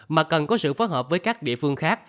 mà cần có sự phối hợp với các địa phương khác